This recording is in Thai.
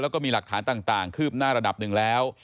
แล้วก็มีหลักฐานต่างคืบหน้าระดับหนึ่งแล้ว